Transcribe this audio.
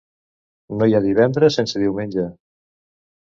No hi ha divendres sense diumenge.